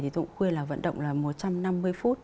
thì tôi cũng khuyên là vận động là một trăm năm mươi phút